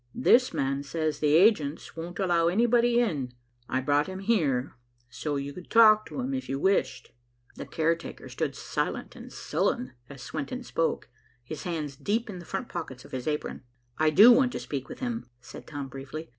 This man says the agents won't allow anybody in. I brought him here, so you could talk to him if you wished." The caretaker stood silent and sullen as Swenton spoke, his hands deep in the front pockets of his apron. "I do want to speak with him," said Tom briefly.